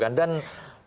dan tidak bisa lepas